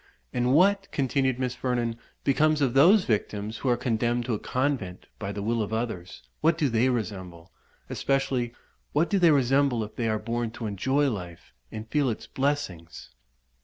"And what," continued Miss Vernon, "becomes of those victims who are condemned to a convent by the will of others? what do they resemble? especially, what do they resemble, if they are born to enjoy life, and feel its blessings?"